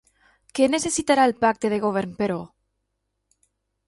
Què necessitarà el pacte de govern, però?